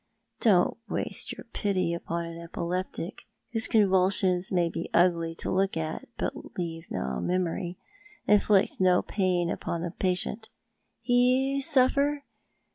Don't waste your pity upon an epileptic, whose convulsions may be ugly to look at, but leave no memory, inflict no jiain vipon the patient. He suffer?